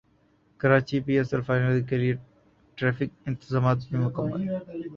Karachi P S L final کیلئے traffic انتظامات بھی مکمل